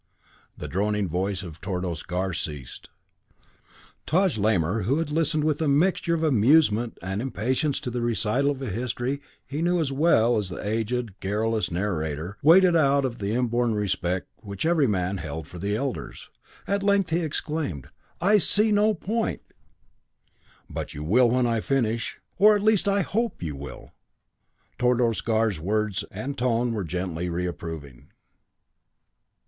The droning voice of Tordos Gar ceased. Taj Lamor, who had listened with a mixture of amusement and impatience to the recital of a history he knew as well as the aged, garrulous narrator, waited out of the inborn respect which every man held for the Elders. At length he exclaimed: "I see no point " "But you will when I finish or, at least, I hope you will." Tordos Gar's words and tone were gently reproving.